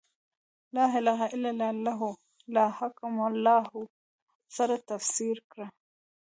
«لا اله الا الله» له «لا حاکم الا الله» سره تفسیر کړه.